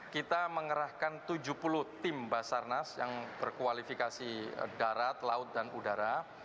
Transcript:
kita mengerahkan tujuh puluh tim basarnas yang berkualifikasi darat laut dan udara